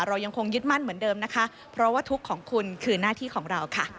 เรายังคงยึดมั่นเหมือนเดิมนะคะเพราะว่าทุกข์ของคุณคือหน้าที่ของเราค่ะ